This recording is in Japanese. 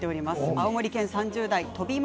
青森県、３０代の方。